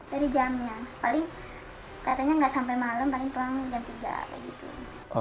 dari jamnya paling katanya nggak sampai malam paling tua jam tiga kayak gitu